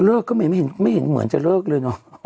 เลิกก็ไม่เห็นเหมือนจะเลิกเลย